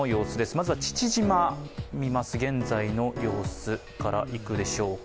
まずは父島見ます、現在の様子からいくでしょうか。